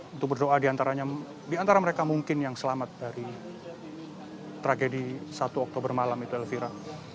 untuk berdoa diantaranya di antara mereka mungkin yang selamat dari tragedi satu oktober malam itu elvira